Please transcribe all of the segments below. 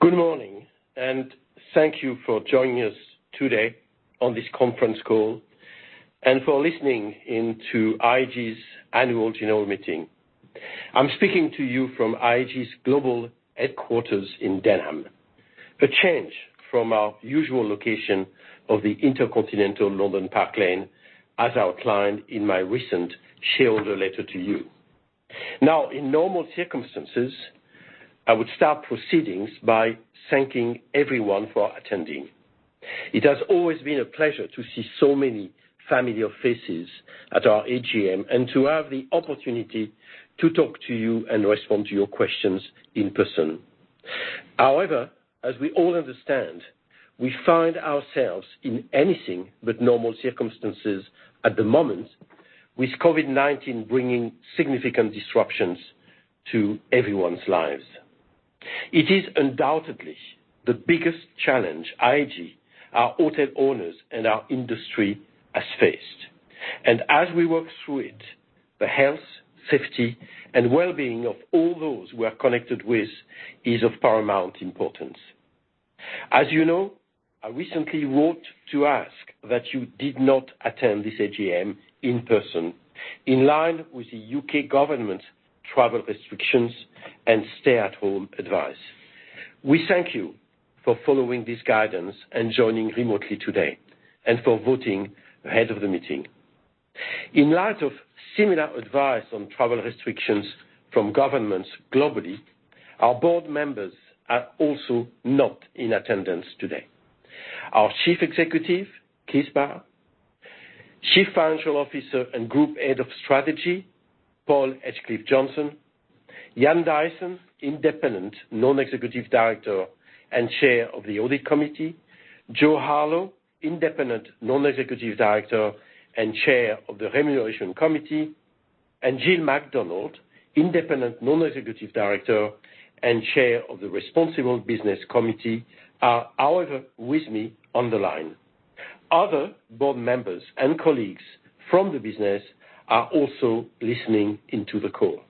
Good morning. Thank you for joining us today on this conference call and for listening in to IHG's annual general meeting. I'm speaking to you from IHG's global headquarters in Denham. A change from our usual location of the InterContinental London Park Lane, as outlined in my recent shareholder letter to you. In normal circumstances, I would start proceedings by thanking everyone for attending. It has always been a pleasure to see so many familiar faces at our AGM and to have the opportunity to talk to you and respond to your questions in person. As we all understand, we find ourselves in anything but normal circumstances at the moment, with COVID-19 bringing significant disruptions to everyone's lives. It is undoubtedly the biggest challenge IHG, our hotel owners, and our industry has faced. As we work through it, the health, safety, and well-being of all those we are connected with is of paramount importance. As you know, I recently wrote to ask that you did not attend this AGM in person, in line with the U.K. government's travel restrictions and stay-at-home advice. We thank you for following this guidance and joining remotely today, and for voting ahead of the meeting. In light of similar advice on travel restrictions from governments globally, our board members are also not in attendance today. Our Chief Executive, Keith Barr; Chief Financial Officer and Group Head of Strategy, Paul Edgecliffe-Johnson; Ian Dyson, Independent Non-Executive Director and Chair of the Audit Committee; Jo Harlow, Independent Non-Executive Director and Chair of the Remuneration Committee; and Jill McDonald, Independent Non-Executive Director and Chair of the Responsible Business Committee are, however, with me on the line. Other board members and colleagues from the business are also listening in to the call.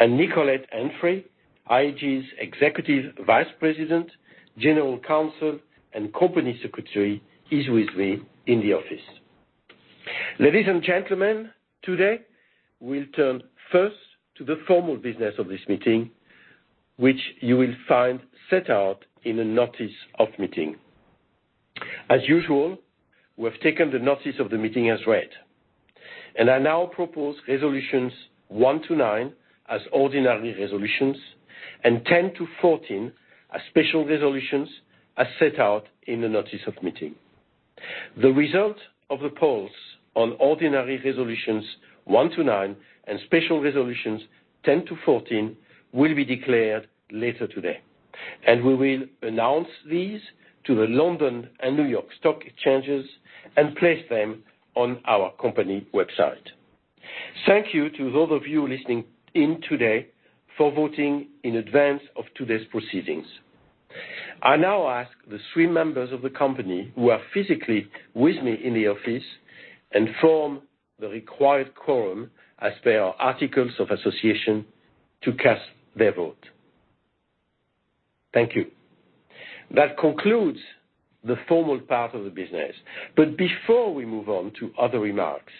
Nicolette Henfrey, IHG's Executive Vice President, General Counsel and Company Secretary is with me in the office. Ladies and gentlemen, today, we will turn first to the formal business of this meeting, which you will find set out in the notice of meeting. As usual, we have taken the notice of the meeting as read, and I now propose resolutions one to nine as ordinary resolutions and 10 to 14 as special resolutions, as set out in the notice of meeting. The result of the polls on ordinary resolutions one to nine and special resolutions 10 to 14 will be declared later today, and we will announce these to the London and New York Stock Exchanges and place them on our company website. Thank you to those of you listening in today for voting in advance of today's proceedings. I now ask the three members of the company who are physically with me in the office and form the required quorum as per our articles of association to cast their vote. Thank you. That concludes the formal part of the business. Before we move on to other remarks,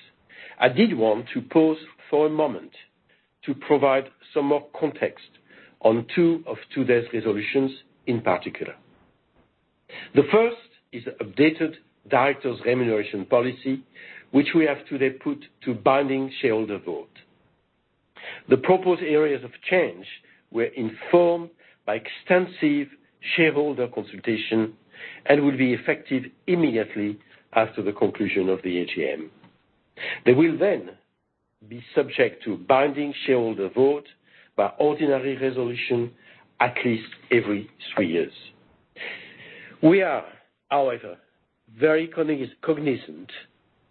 I did want to pause for a moment to provide some more context on two of today's resolutions in particular. The first is the updated Directors' Remuneration Policy, which we have today put to binding shareholder vote. The proposed areas of change were informed by extensive shareholder consultation and will be effective immediately after the conclusion of the AGM. They will then be subject to a binding shareholder vote by ordinary resolution at least every three years. We are, however, very cognizant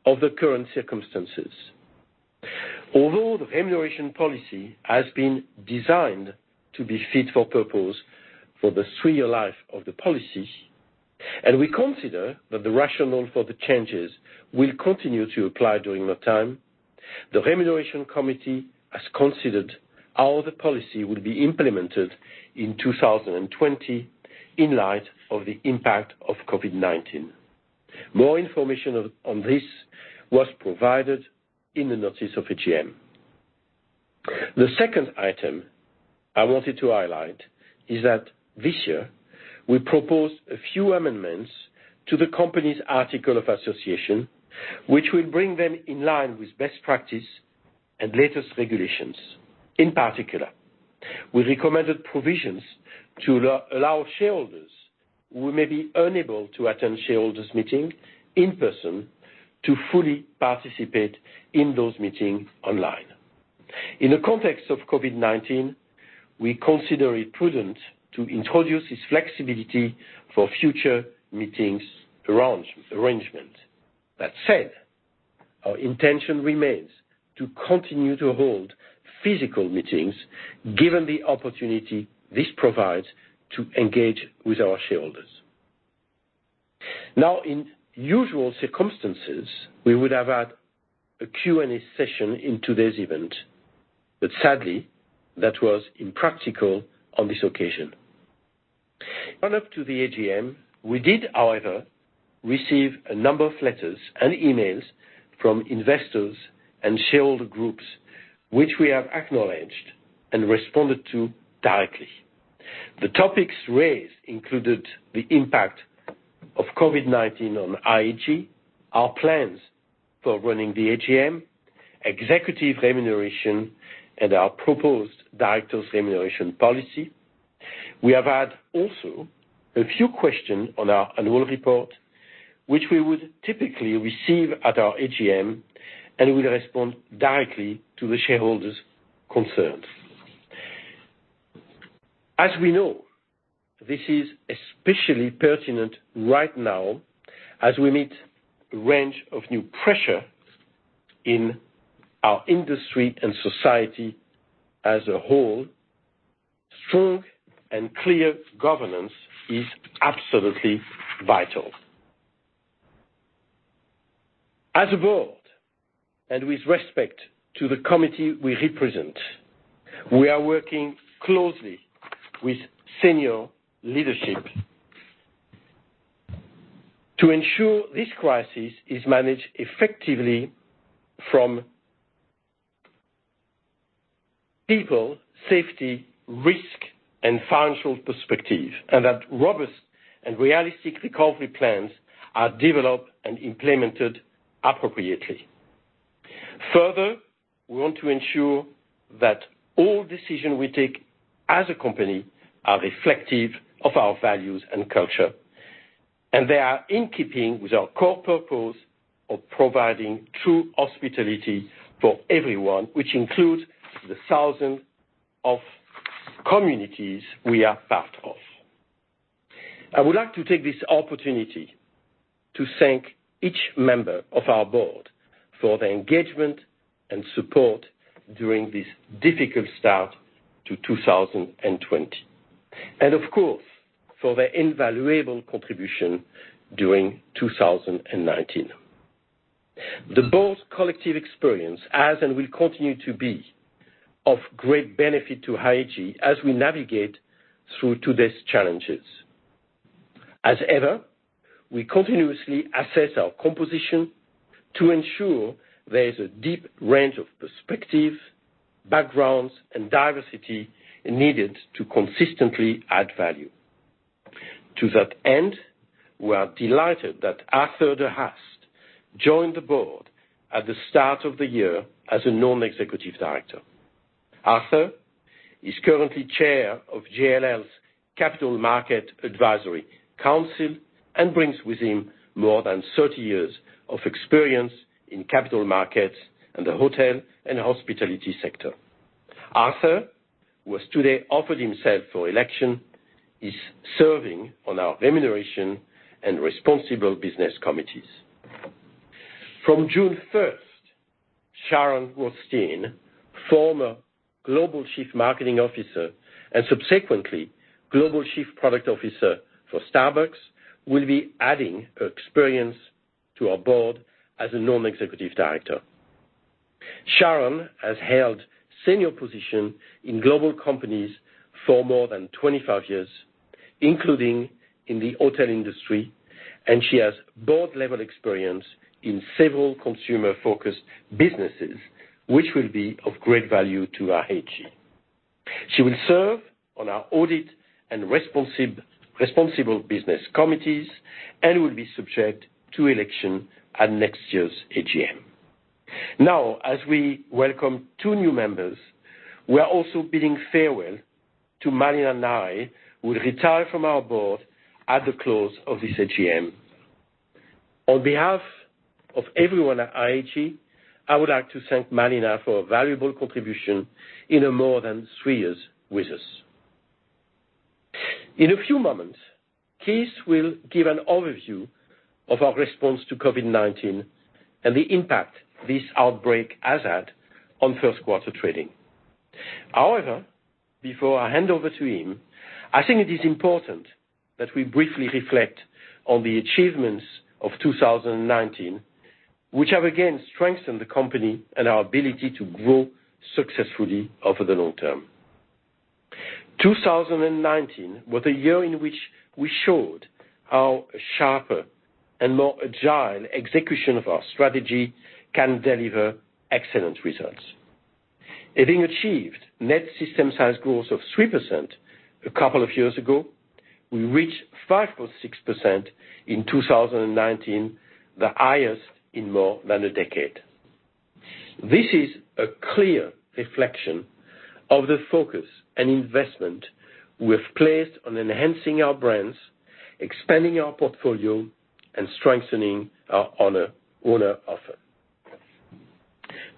of the current circumstances. Although the remuneration policy has been designed to be fit for purpose for the three-year life of the policy, and we consider that the rationale for the changes will continue to apply during that time, the Remuneration Committee has considered how the policy will be implemented in 2020 in light of the impact of COVID-19. More information on this was provided in the notice of AGM. The second item I wanted to highlight is that this year we propose a few amendments to the company's article of association, which will bring them in line with best practice and latest regulations. In particular, with recommended provisions to allow shareholders who may be unable to attend shareholders' meeting in person to fully participate in those meetings online. In the context of COVID-19, we consider it prudent to introduce this flexibility for future meetings' arrangement. That said, our intention remains to continue to hold physical meetings, given the opportunity this provides to engage with our shareholders. Now, in usual circumstances, we would have had a Q&A session in today's event, but sadly, that was impractical on this occasion. Run up to the AGM, we did, however, receive a number of letters and emails from investors and shareholder groups, which we have acknowledged and responded to directly. The topics raised included the impact of COVID-19 on IHG, our plans for running the AGM, executive remuneration, and our proposed directors' remuneration policy. We have had also a few questions on our annual report, which we would typically receive at our AGM, and we will respond directly to the shareholders concerned. As we know, this is especially pertinent right now as we meet a range of new pressure in our industry and society as a whole. Strong and clear governance is absolutely vital. As a board, and with respect to the committee we represent, we are working closely with senior leadership to ensure this crisis is managed effectively from people, safety, risk, and financial perspective, and that robust and realistic recovery plans are developed and implemented appropriately. Further, we want to ensure that all decisions we take as a company are reflective of our values and culture, and they are in keeping with our core purpose of providing true hospitality for everyone, which includes the thousand of communities we are part of. I would like to take this opportunity to thank each member of our board for their engagement and support during this difficult start to 2020, and of course, for their invaluable contribution during 2019. The board's collective experience has and will continue to be of great benefit to IHG as we navigate through today's challenges. As ever, we continuously assess our composition to ensure there is a deep range of perspective, backgrounds, and diversity needed to consistently add value. To that end, we are delighted that Arthur de Haast joined the board at the start of the year as a non-executive director. Arthur is currently chair of JLL's Capital Market Advisory Council and brings with him more than 30 years of experience in capital markets and the hotel and hospitality sector. Arthur, who has today offered himself for election, is serving on our remuneration and responsible business committees. From June 1, Sharon Rothstein, former global chief marketing officer, and subsequently global chief product officer for Starbucks, will be adding her experience to our board as a non-executive director. Sharon has held senior positions in global companies for more than 25 years, including in the hotel industry, and she has board-level experience in several consumer-focused businesses, which will be of great value to IHG. She will serve on our audit and responsible business committees and will be subject to election at next year's AGM. Now, as we welcome two new members, we are also bidding farewell to Malina Ngai, who will retire from our board at the close of this AGM. On behalf of everyone at IHG, I would like to thank Malina for her valuable contribution in her more than three years with us. In a few moments, Keith will give an overview of our response to COVID-19 and the impact this outbreak has had on first quarter trading. Before I hand over to him, I think it is important that we briefly reflect on the achievements of 2019, which have again strengthened the company and our ability to grow successfully over the long term. 2019 was a year in which we showed how sharper and more agile execution of our strategy can deliver excellent results. Having achieved net system size growth of 3% a couple of years ago, we reached 5.6% in 2019, the highest in more than one decade. This is a clear reflection of the focus and investment we've placed on enhancing our brands, expanding our portfolio, and strengthening our owner offer.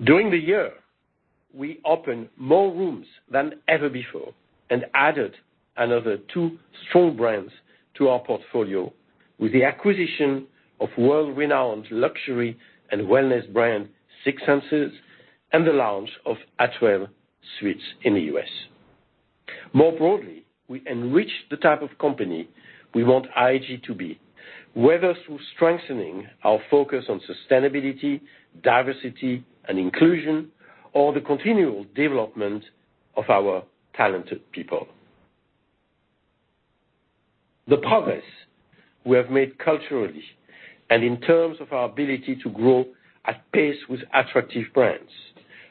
During the year, we opened more rooms than ever before and added another two strong brands to our portfolio with the acquisition of world-renowned luxury and wellness brand, Six Senses, and the launch of Atwell Suites in the U.S. More broadly, we enrich the type of company we want IHG to be, whether through strengthening our focus on sustainability, diversity, and inclusion, or the continual development of our talented people. The progress we have made culturally and in terms of our ability to grow at pace with attractive brands,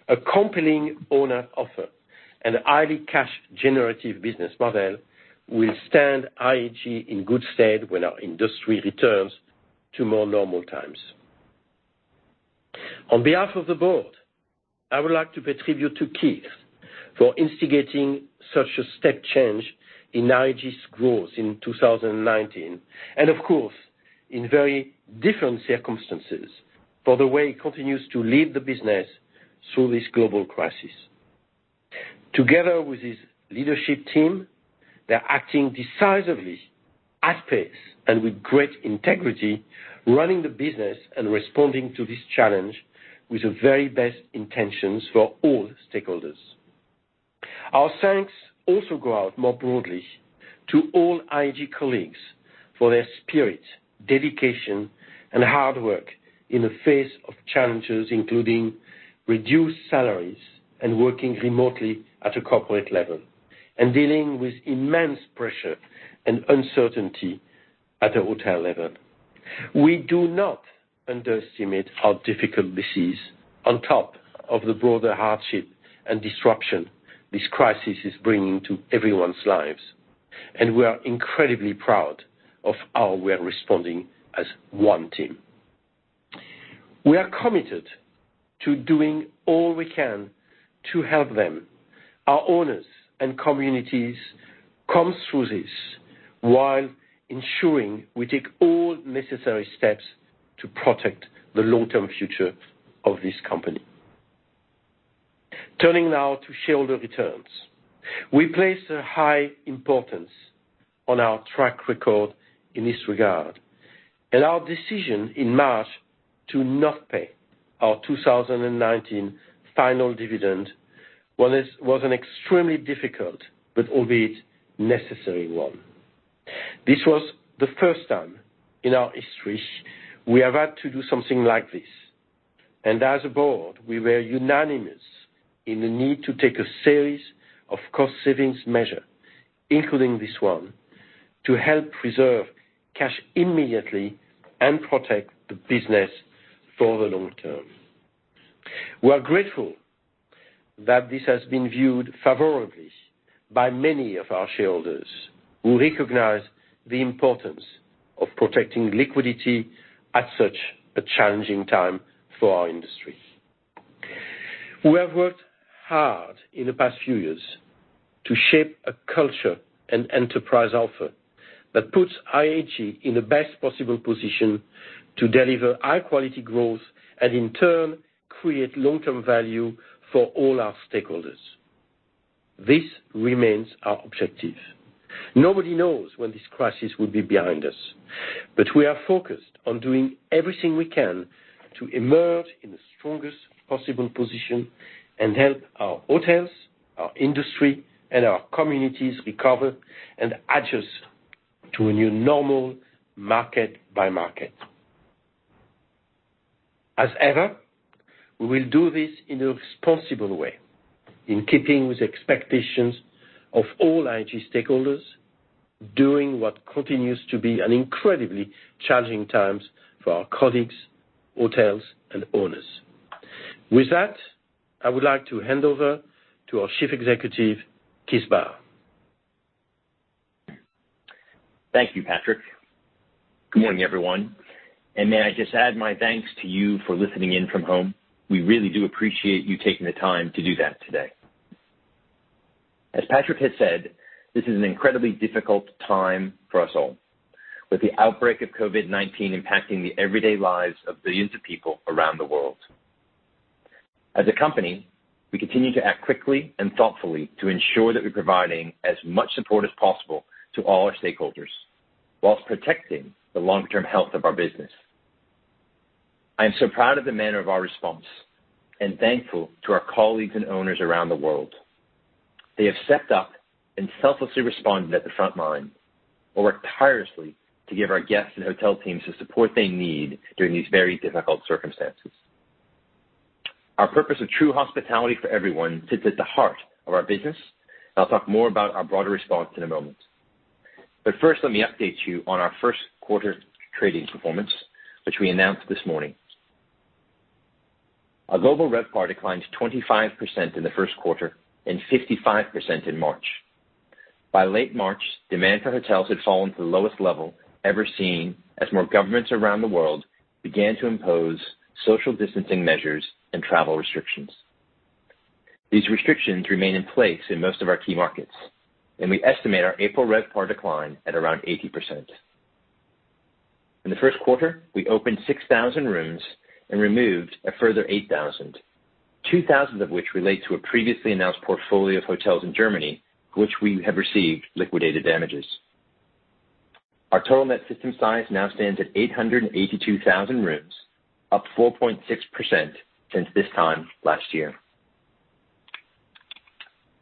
a compelling owner offer, and highly cash-generative business model will stand IHG in good stead when our industry returns to more normal times. On behalf of the board, I would like to pay tribute to Keith for instigating such a step change in IHG's growth in 2019, and of course, in very different circumstances for the way he continues to lead the business through this global crisis. Together with his leadership team, they're acting decisively, at pace, and with great integrity, running the business and responding to this challenge with the very best intentions for all stakeholders. Our thanks also go out more broadly to all IHG colleagues for their spirit, dedication, and hard work in the face of challenges, including reduced salaries and working remotely at a corporate level and dealing with immense pressure and uncertainty at a hotel level. We do not underestimate how difficult this is on top of the broader hardship and disruption this crisis is bringing to everyone's lives, and we are incredibly proud of how we are responding as one team. We are committed to doing all we can to help them, our owners and communities, come through this while ensuring we take all necessary steps to protect the long-term future of this company. Turning now to shareholder returns. We place a high importance on our track record in this regard, and our decision in March to not pay our 2019 final dividend was an extremely difficult but albeit necessary one. This was the first time in our history we have had to do something like this, as a board, we were unanimous in the need to take a series of cost savings measure, including this one, to help preserve cash immediately and protect the business for the long term. We're grateful that this has been viewed favorably by many of our shareholders who recognize the importance of protecting liquidity at such a challenging time for our industry. We have worked hard in the past few years to shape a culture and enterprise offer that puts IHG in the best possible position to deliver high-quality growth and in turn, create long-term value for all our stakeholders. This remains our objective. Nobody knows when this crisis will be behind us, but we are focused on doing everything we can to emerge in the strongest possible position and help our hotels, our industry, and our communities recover and adjust to a new normal market by market. As ever, we will do this in a responsible way, in keeping with the expectations of all IHG stakeholders, doing what continues to be an incredibly challenging times for our colleagues, hotels, and owners. With that, I would like to hand over to our Chief Executive, Keith Barr. Thank you, Patrick. Good morning, everyone. May I just add my thanks to you for listening in from home. We really do appreciate you taking the time to do that today. As Patrick has said, this is an incredibly difficult time for us all, with the outbreak of COVID-19 impacting the everyday lives of billions of people around the world. As a company, we continue to act quickly and thoughtfully to ensure that we're providing as much support as possible to all our stakeholders whilst protecting the long-term health of our business. I am so proud of the manner of our response and thankful to our colleagues and owners around the world. They have stepped up and selflessly responded at the front line or worked tirelessly to give our guests and hotel teams the support they need during these very difficult circumstances. Our purpose of true hospitality for everyone sits at the heart of our business, and I'll talk more about our broader response in a moment. First, let me update you on our first quarter trading performance, which we announced this morning. Our global RevPAR declined 25% in the first quarter and 55% in March. By late March, demand for hotels had fallen to the lowest level ever seen as more governments around the world began to impose social distancing measures and travel restrictions. These restrictions remain in place in most of our key markets, and we estimate our April RevPAR decline at around 80%. In the first quarter, we opened 6,000 rooms and removed a further 8,000, 2,000 of which relate to a previously announced portfolio of hotels in Germany, which we have received liquidated damages. Our total net system size now stands at 882,000 rooms, up 4.6% since this time last year.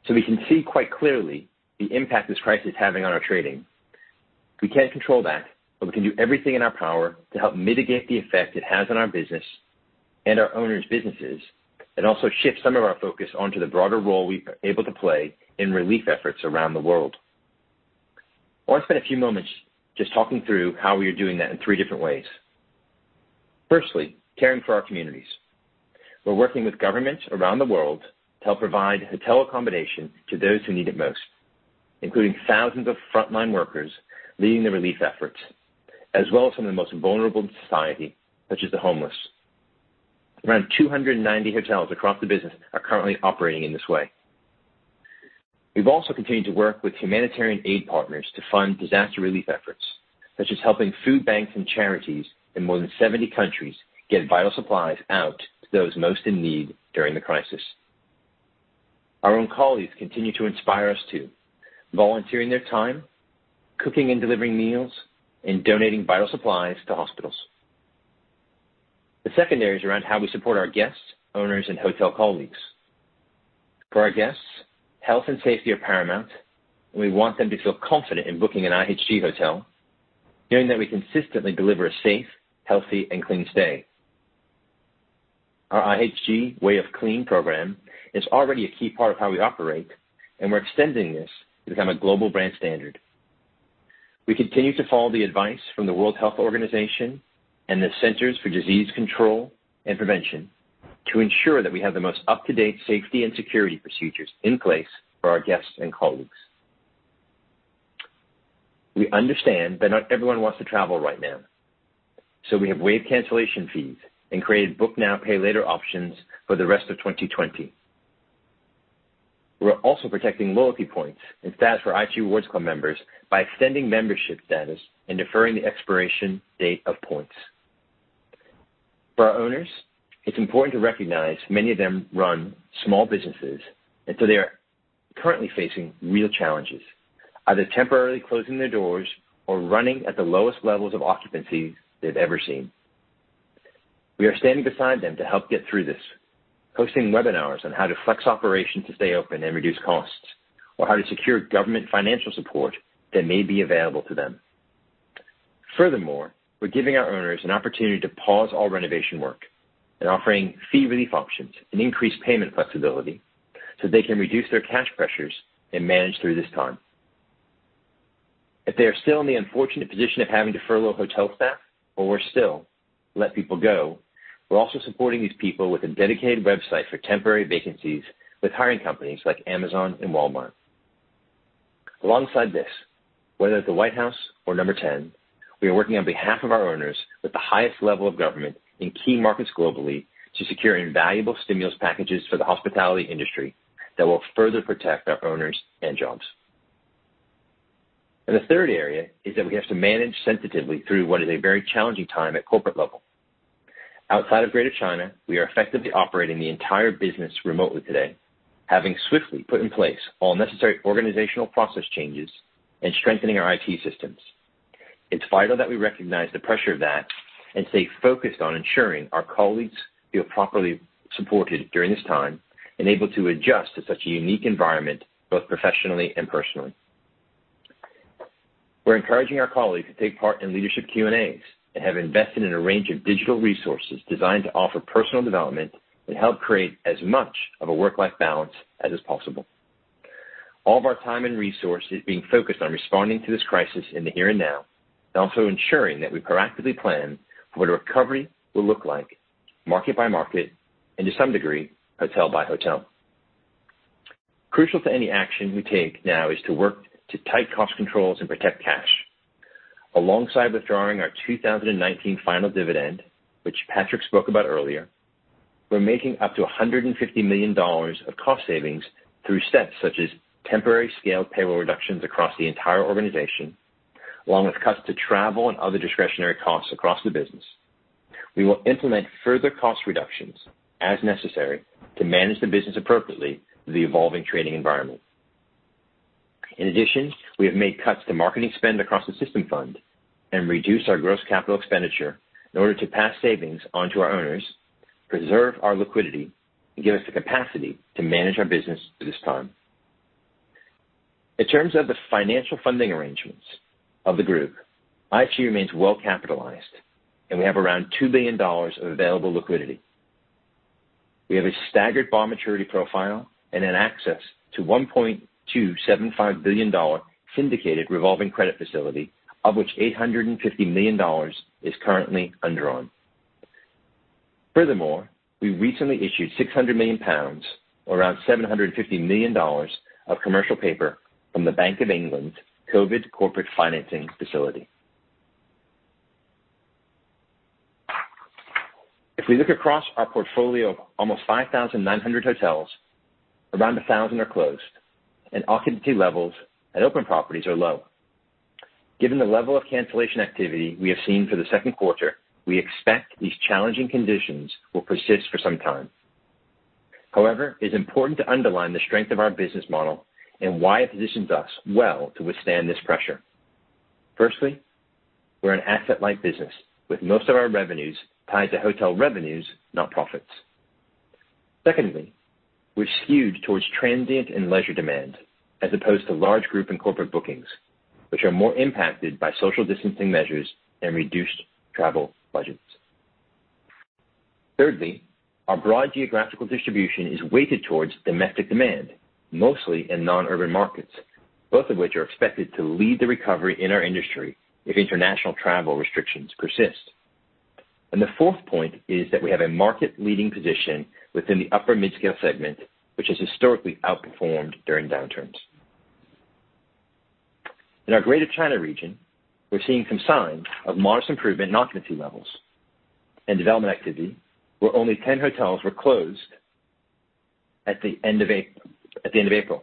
We can see quite clearly the impact this crisis is having on our trading. We can't control that, but we can do everything in our power to help mitigate the effect it has on our business and our owners' businesses, and also shift some of our focus onto the broader role we are able to play in relief efforts around the world. I want to spend a few moments just talking through how we are doing that in three different ways. Firstly, caring for our communities. We're working with governments around the world to help provide hotel accommodation to those who need it most, including thousands of frontline workers leading the relief efforts, as well as some of the most vulnerable in society, such as the homeless. Around 290 hotels across the business are currently operating in this way. We have also continued to work with humanitarian aid partners to fund disaster relief efforts, such as helping food banks and charities in more than 70 countries get vital supplies out to those most in need during the crisis. Our own colleagues continue to inspire us, too, volunteering their time, cooking and delivering meals, and donating vital supplies to hospitals. The second area is around how we support our guests, owners, and hotel colleagues. For our guests, health and safety are paramount, and we want them to feel confident in booking an IHG hotel, knowing that we consistently deliver a safe, healthy, and clean stay. Our IHG Way of Clean program is already a key part of how we operate, and we're extending this to become a global brand standard. We continue to follow the advice from the World Health Organization and the Centers for Disease Control and Prevention to ensure that we have the most up-to-date safety and security procedures in place for our guests and colleagues. We understand that not everyone wants to travel right now, so we have waived cancellation fees and created book now, pay later options for the rest of 2020. We're also protecting loyalty points and status for IHG Rewards Club members by extending membership status and deferring the expiration date of points. For our owners, it's important to recognize many of them run small businesses, and so they are currently facing real challenges, either temporarily closing their doors or running at the lowest levels of occupancy they have ever seen. We are standing beside them to help get through this, hosting webinars on how to flex operations to stay open and reduce costs, or how to secure government financial support that may be available to them. Furthermore, we're giving our owners an opportunity to pause all renovation work and offering fee relief options and increased payment flexibility so they can reduce their cash pressures and manage through this time. If they are still in the unfortunate position of having to furlough hotel staff or worse still, let people go, we're also supporting these people with a dedicated website for temporary vacancies with hiring companies like Amazon and Walmart. Alongside this, whether at the White House or Number 10, we are working on behalf of our owners with the highest level of government in key markets globally to secure invaluable stimulus packages for the hospitality industry that will further protect our owners and jobs. The third area is that we have to manage sensitively through what is a very challenging time at corporate level. Outside of Greater China, we are effectively operating the entire business remotely today, having swiftly put in place all necessary organizational process changes and strengthening our IT systems. It's vital that we recognize the pressure of that and stay focused on ensuring our colleagues feel properly supported during this time and able to adjust to such a unique environment, both professionally and personally. We're encouraging our colleagues to take part in leadership Q&As and have invested in a range of digital resources designed to offer personal development and help create as much of a work-life balance as is possible. All of our time and resources are being focused on responding to this crisis in the here and now and also ensuring that we proactively plan for what a recovery will look like market by market, and to some degree, hotel by hotel. Crucial to any action we take now is to work to tight cost controls and protect cash. Alongside withdrawing our 2019 final dividend, which Patrick spoke about earlier, we're making up to GBP 150 million of cost savings through steps such as temporary scaled payroll reductions across the entire organization, along with cuts to travel and other discretionary costs across the business. We will implement further cost reductions as necessary to manage the business appropriately through the evolving trading environment. In addition, we have made cuts to marketing spend across the System Fund and reduced our gross capital expenditure in order to pass savings onto our owners, preserve our liquidity, and give us the capacity to manage our business through this time. In terms of the financial funding arrangements of the group, IHG remains well capitalized, and we have around $2 billion of available liquidity. We have a staggered bond maturity profile and access to $1.275 billion syndicated revolving credit facility, of which $850 million is currently undrawn. Furthermore, we recently issued 600 million pounds, or around $750 million, of commercial paper from the Bank of England's COVID Corporate Financing Facility. If we look across our portfolio of almost 5,900 hotels, around 1,000 are closed, and occupancy levels at open properties are low. Given the level of cancellation activity we have seen for the second quarter, we expect these challenging conditions will persist for some time. It's important to underline the strength of our business model and why it positions us well to withstand this pressure. Firstly, we're an asset-light business with most of our revenues tied to hotel revenues, not profits. Secondly, we're skewed towards transient and leisure demand as opposed to large group and corporate bookings, which are more impacted by social distancing measures and reduced travel budgets. Thirdly, our broad geographical distribution is weighted towards domestic demand, mostly in non-urban markets, both of which are expected to lead the recovery in our industry if international travel restrictions persist. The fourth point is that we have a market-leading position within the upper mid-scale segment, which has historically outperformed during downturns. In our Greater China region, we're seeing some signs of modest improvement in occupancy levels and development activity, where only 10 hotels were closed at the end of April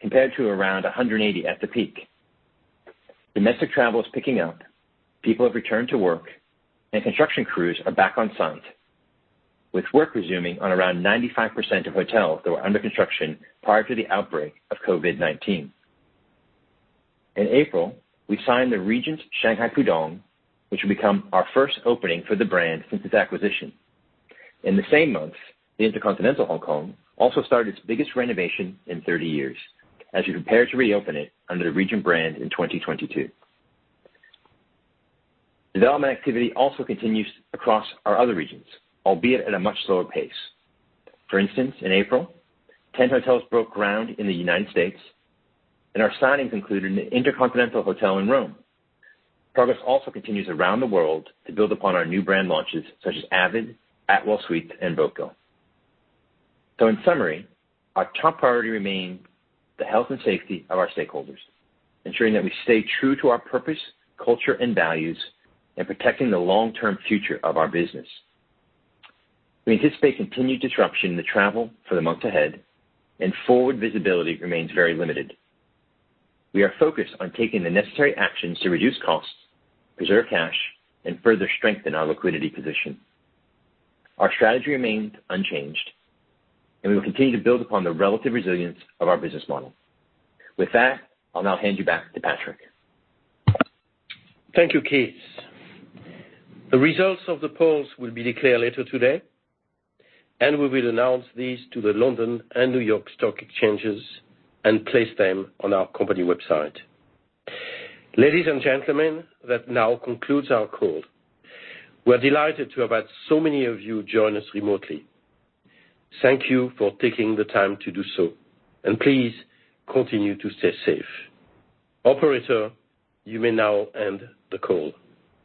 compared to around 180 at the peak. Domestic travel is picking up. People have returned to work, and construction crews are back on site, with work resuming on around 95% of hotels that were under construction prior to the outbreak of COVID-19. In April, we signed the Regent Shanghai Pudong, which will become our first opening for the brand since its acquisition. In the same month, the InterContinental Hong Kong also started its biggest renovation in 30 years as we prepare to reopen it under the Regent brand in 2022. Development activity also continues across our other regions, albeit at a much slower pace. For instance, in April, 10 hotels broke ground in the U.S., and our signings included an InterContinental hotel in Rome. Progress also continues around the world to build upon our new brand launches such as avid, Atwell Suites, and voco. In summary, our top priority remains the health and safety of our stakeholders, ensuring that we stay true to our purpose, culture, and values, and protecting the long-term future of our business. We anticipate continued disruption in the travel for the months ahead, and forward visibility remains very limited. We are focused on taking the necessary actions to reduce costs, preserve cash, and further strengthen our liquidity position. Our strategy remains unchanged, and we will continue to build upon the relative resilience of our business model. With that, I will now hand you back to Patrick. Thank you, Keith. The results of the polls will be declared later today, and we will announce these to the London and New York Stock Exchanges and place them on our company website. Ladies and gentlemen, that now concludes our call. We're delighted to have had so many of you join us remotely. Thank you for taking the time to do so, and please continue to stay safe. Operator, you may now end the call.